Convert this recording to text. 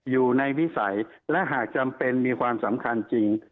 วิสัยและหากจำเป็นมีความสำคัญจริง